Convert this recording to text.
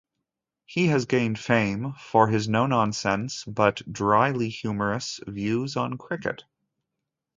He has gained fame for his no nonsense but dryly humorous views on cricket.